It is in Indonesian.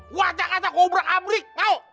gue acak acak gobrak abrik mau